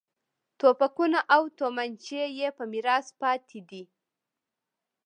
توپکونه او تومانچې یې په میراث پاتې دي.